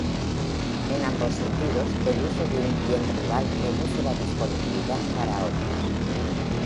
En ambos sentidos, el uso de un bien rival reduce la disponibilidad para otros.